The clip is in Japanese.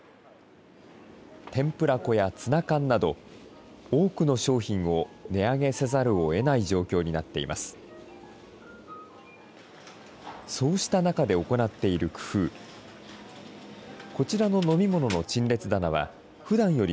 天ぷら粉やツナ缶など、多くの商品を値上げせざるをえない状況になっています。